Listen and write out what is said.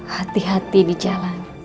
hati hati di jalan